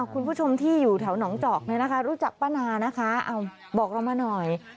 คุณผู้ชมที่อยู่แถวหนองเจาะรู้จักป้านาบอกเรามาหน่อย